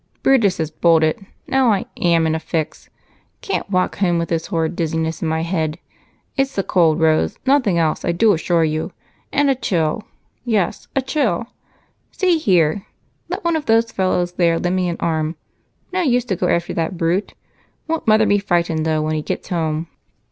"Brutus has bolted now I am in a fix. Can't walk home with this horrid dizziness in my head. It's the cold, Rose, nothing else, I do assure you, and a chill yes, a chill. See here! Let one of those fellows there lend me an arm no use to go after that brute. Won't Mother be frightened though when he gets home?"